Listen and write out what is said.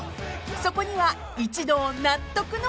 ［そこには一同納得の理由が］